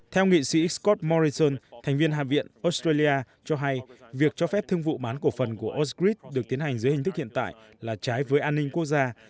theo nghị sĩ scott morrison thành viên hạ viện australia cho hay việc cho phép thương vụ bán cổ phần của oscrid được tiến hành dưới hình thức hiện tại là trái với an ninh quốc gia